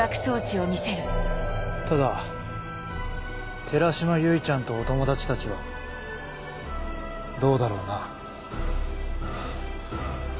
ただ寺島唯ちゃんとお友達たちはどうだろうな。